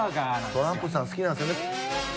トランプさん好きなんですよね。